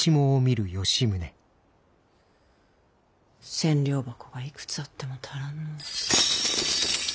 千両箱がいくつあっても足らんの。は？